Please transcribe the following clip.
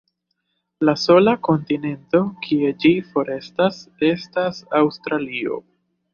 La sola kontinento kie ĝi forestas estas Aŭstralio.